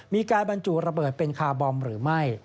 มีการบรรจุระเบิดเป็นคาร์บอมหรือไม่